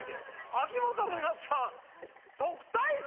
秋元真夏さん特待生！